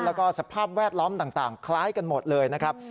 แล้วก็สภาพแวดล้อมต่างคล้ายกันหมดเลยนะครับ